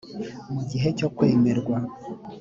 mu gihe cyo kwemerwa